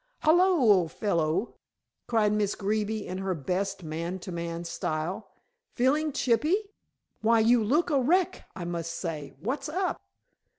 "Hallo, old fellow," cried Miss Greeby in her best man to man style, "feeling chippy? Why, you do look a wreck, I must say. What's up?"